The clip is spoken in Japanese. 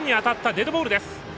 デッドボールです。